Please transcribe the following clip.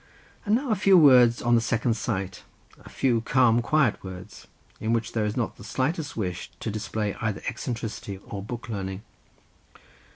And now a few words on the second sight; a few calm, quiet words, in which there is not the slightest wish to display either eccentricity or book learning.